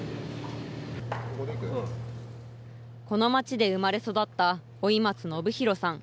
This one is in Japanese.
この町で生まれ育った老松伸洋さん。